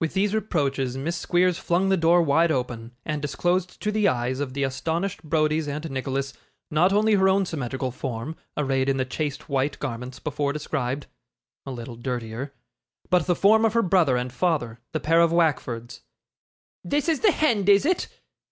With these reproaches Miss Squeers flung the door wide open, and disclosed to the eyes of the astonished Browdies and Nicholas, not only her own symmetrical form, arrayed in the chaste white garments before described (a little dirtier), but the form of her brother and father, the pair of Wackfords. 'This is the hend, is it?